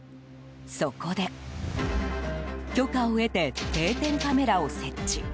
そこで、許可を得て定点カメラを設置。